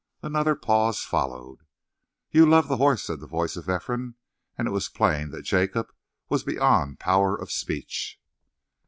Another pause followed. "You love the horse," said the voice of Ephraim, and it was plain that Jacob was beyond power of speech.